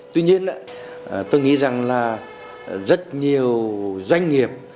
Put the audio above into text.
tuy nhiên tôi nghĩ rằng là rất nhiều doanh nghiệp